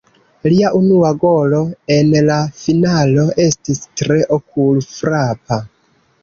Lia unua golo en la finalo estis tre okul-frapa.